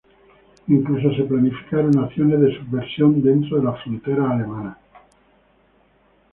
Incluso se planificaron acciones de subversión dentro de las fronteras alemanas.